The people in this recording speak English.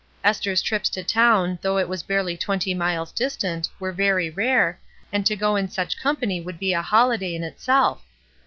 Esther's trips to town, though it was barely twenty miles distant, were very rare, and to go in such company would be a hoUday in itself.